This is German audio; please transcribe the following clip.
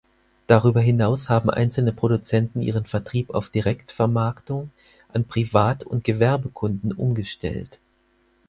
Darüber hinaus haben einzelne Produzenten Ihren Vertrieb auf Direktvermarktung an Privat- und Gewerbekunden umgestellt.